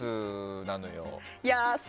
なのよ。